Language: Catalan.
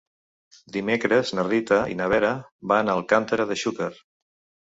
Dimecres na Rita i na Vera van a Alcàntera de Xúquer.